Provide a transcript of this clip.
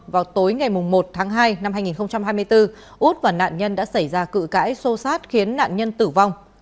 vào tối ngày một tháng hai năm hai nghìn hai mươi bốn út và nạn nhân đã xảy ra cự cãi xô sát khiến nạn nhân tử vong